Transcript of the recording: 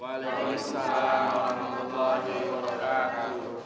waalaikumsalam warahmatullahi wabarakatuh